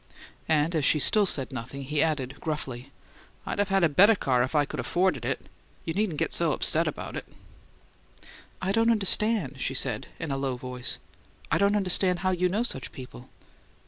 And as she still said nothing, he added gruffly, "I'd of had a better car if I could afforded it. You needn't get so upset about it." "I don't understand " she said in a low voice "I don't understand how you know such people."